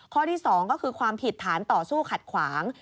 ข้อที่๒ก็คือความผิดฐานต่อสู้ขัดขวาง